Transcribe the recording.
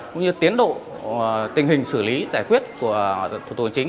cũng như tiến độ tình hình xử lý giải quyết của thủ tục hành chính